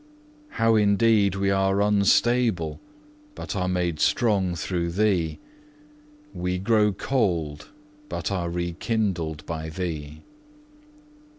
For indeed we are unstable, but are made strong through Thee; we grow cold, but are rekindled by Thee.